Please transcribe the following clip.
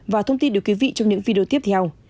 và thông tin được quý vị trong những video tiếp theo